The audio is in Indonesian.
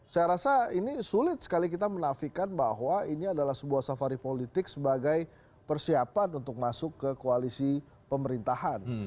saya rasa ini sulit sekali kita menafikan bahwa ini adalah sebuah safari politik sebagai persiapan untuk masuk ke koalisi pemerintahan